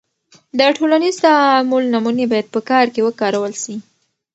د ټولنیز تعامل نمونې باید په کار کې وکارول سي.